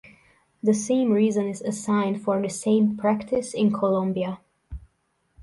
The same reason is assigned for the same practice in Colombia.